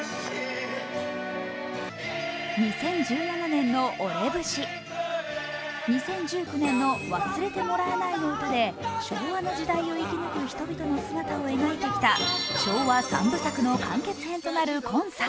２０１７年の「俺節」、２０１９年の「忘れてもらえない歌」で昭和の時代を生き抜く人々の姿を描いてきた昭和三部作の完結編となる今作。